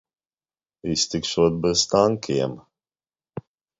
Iztikšot bez tankiem.